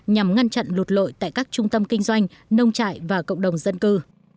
nhằm ngăn chặn lụt lội tại các trung tâm kinh doanh nông trại và cộng đồng dân cư